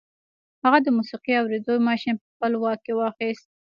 هغه د موسیقي اورېدو ماشين په خپل واک کې واخیست